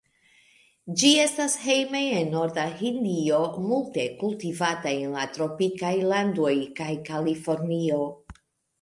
Ĝi estas hejma en Norda Hindio, multe kultivata en la tropikaj landoj kaj Kalifornio.